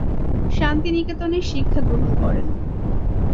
শান্তিনিকেতনে শিক্ষাগ্রহণ করেন।